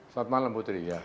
selamat malam putri